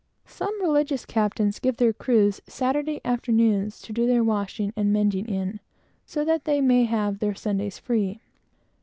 Some religious captains give their crews Saturday afternoons to do their washing and mending in, so that they may have their Sundays free.